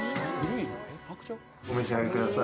お召し上がりください。